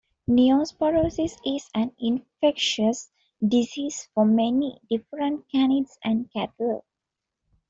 Neosporosis is an infectious disease for many different canids and cattle.